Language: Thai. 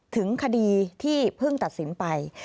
ถึงคดีที่เพิ่งตัดสินไป